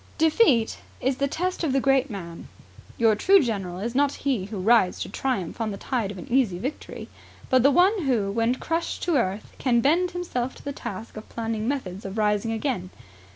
Defeat is the test of the great man. Your true general is not he who rides to triumph on the tide of an easy victory, but the one who, when crushed to earth, can bend himself to the task of planning methods of rising again.